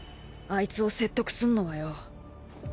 アイツを説得すんのはよ。